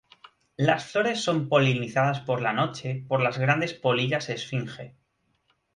Las flores son polinizadas por la noche por las grandes polillas esfinge.